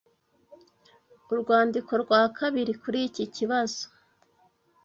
Urwandiko rwa Kabiri kuri iki Kibazo